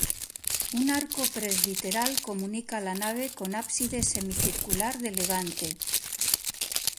Un arco presbiteral comunica la nave con ábside semicircular de levante.